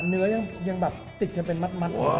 เนื้อยังแบบติดกันเป็นมัด